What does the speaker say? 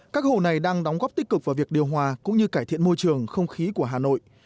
các hồ này đang đóng góp tích cực vào việc điều hòa cũng như cải thiện môi trường không khí của hà nội